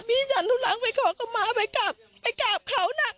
พี่จันทุกลังไปขอกม้าไปกลับไปกลับเขาน่ะ